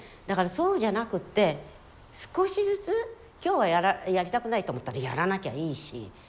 だからそうじゃなくって少しずつ今日はやりたくないと思ったらやらなきゃいいし。